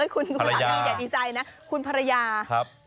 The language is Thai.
คุณสามีดีใจนะคุณภรรยา